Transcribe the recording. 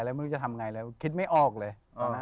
ผมว่าหนูจะทำไงแล้วคิดไม่ออกเลย